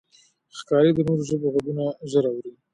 ښکاري د نورو ژوو غږونه ژر اوري.